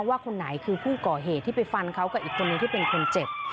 ว่าคนไหนคือผู้ก่อเหตุที่ไปฟันเขากับอีกคนนึงที่เป็นคนเจ็บ